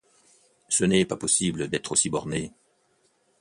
Ce n'est pas possible d'être aussi borné.